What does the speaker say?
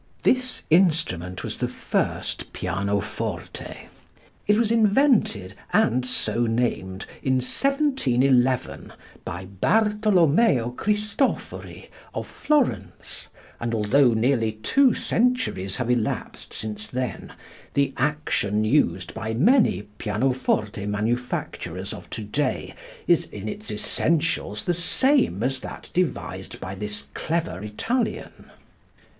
This instrument was the first pianoforte. It was invented and so named in 1711 by Bartolomeo Cristofori, of Florence, and, although nearly two centuries have elapsed since then, the action used by many pianoforte manufacturers of to day is in its essentials the same as that devised by this clever Italian.